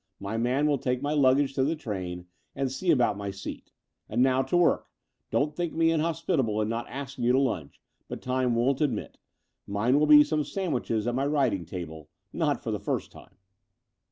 My man will take my luggage to the train and see about my seat. And now to work! Don't think me in hospitable in not asking you to hmch, but time won't admit. Mine will be some sandwiches at my writing table — ^not for the first time."